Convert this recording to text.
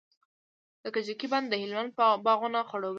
د کجکي بند د هلمند باغونه خړوبوي.